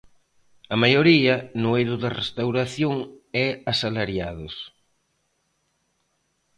A maioría, no eido da restauración e asalariados.